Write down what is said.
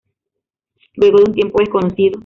Luego de un tiempo desconocido.